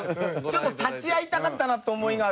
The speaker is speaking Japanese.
ちょっと立ち会いたかったなという思いがあって。